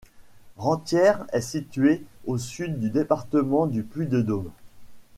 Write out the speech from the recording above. Rentières est située au sud du département du Puy-de-Dôme.